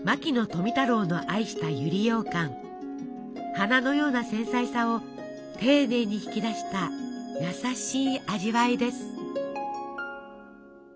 花のような繊細さをていねいに引き出した優しい味わいです。